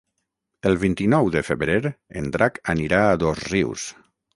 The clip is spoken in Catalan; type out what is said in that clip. El vint-i-nou de febrer en Drac anirà a Dosrius.